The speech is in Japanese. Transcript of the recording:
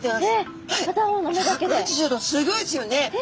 すギョいですよね。